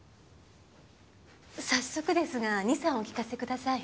早速ですが二三お聞かせください。